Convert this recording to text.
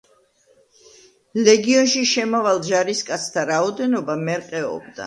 ლეგიონში შემავალ ჯარისკაცთა რაოდენობა მერყეობდა.